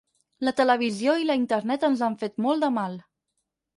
La televisió i la Internet ens han fet molt de mal.